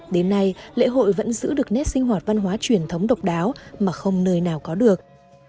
đến nay lễ hội vẫn giữ được nét sinh hoạt văn hóa truyền thống độc đáo mà không nơi nào có được